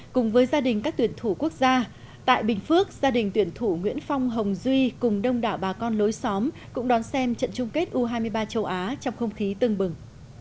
cùng với gia đình các tuyển thủ quốc gia tại bình phước gia đình tuyển thủ nguyễn phong hồng duy cùng đông đảo bà con lối xóm cũng đón xem trận chung kết u hai mươi ba châu á trong không khí tưng bừng